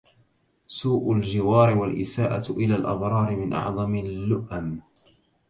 سوء الجوار والإساءة إلى الأبرار من أعظم اللّؤم.